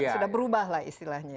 sudah berubah lah istilahnya